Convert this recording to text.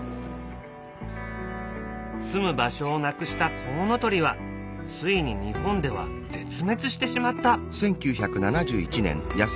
すむ場所をなくしたコウノトリはついに日本では絶滅してしまった。